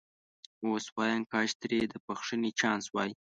اوس وایم کاش ترې د بخښنې چانس وای.